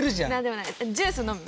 ジュース飲む？